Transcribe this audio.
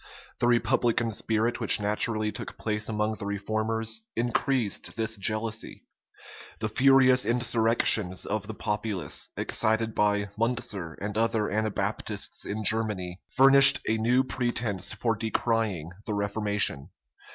The republican spirit which naturally took place among the reformers, increased this jealousy. The furious insurrections of the populace, excited by Muncer and other Anabaptists in Germany,[*] furnished a new pretence for decrying the reformation.